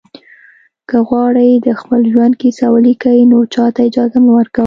که غواړئ د خپل ژوند کیسه ولیکئ نو چاته اجازه مه ورکوئ.